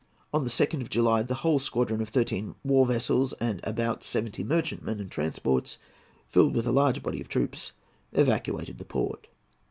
On the 2nd of July the whole squadron of thirteen war vessels and about seventy merchantmen and transports, filled with a large body of troops, evacuated the port.